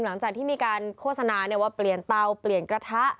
หลังจากที่มีการโฆษณาว่าเปลี่ยนเตาเปลี่ยนกระทะ